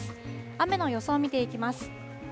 雨の予想を見ていきます。